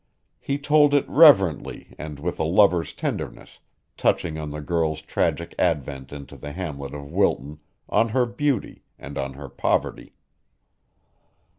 He told it reverently and with a lover's tenderness, touching on the girl's tragic advent into the hamlet of Wilton, on her beauty, and on her poverty.